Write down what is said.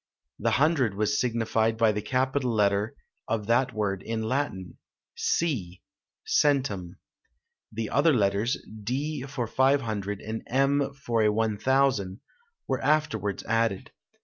The hundred was signified by the capital letter of that word in Latin, C centum. The other letters, D for 500, and M for a 1000, were afterwards added.